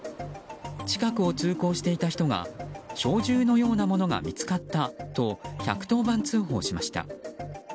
近くを通行していた人が小銃のようなものが見つかったと１１０番通報しました。